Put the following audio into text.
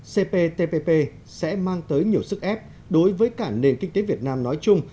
cptpp sẽ mang tới nhiều sức ép đối với cả nền kinh tế việt nam nói chung